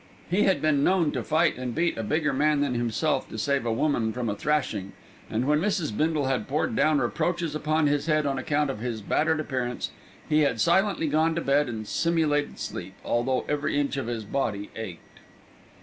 He had been known to fight and beat a bigger man than himself to save a woman from a thrashing, and when Mrs. Bindle had poured down reproaches upon his head on account of his battered appearance, he had silently gone to bed and simulated sleep, although every inch of his body ached.